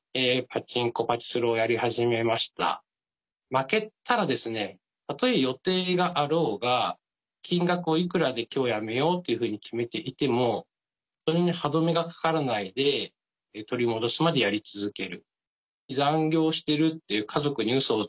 負けたらですねたとえ予定があろうが金額をいくらで今日やめようっていうふうに決めていてもそれに歯止めがかからないで取り戻すまでやり続ける。